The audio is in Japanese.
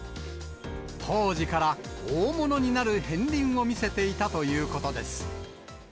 当時から大物になる片りんを見せていたということです。